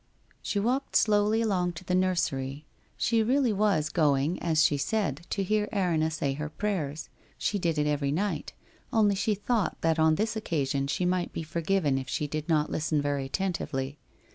She walked slowly along to the nursery. She really was going as she said to hear Erinna say her prayers, she did it every night, only she thought that on this occasion she might be forgiven if she did not listen very attentively.